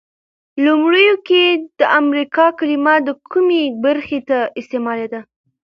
لومړیو کې د امریکا کلمه د کومې برخې ته استعمالیده؟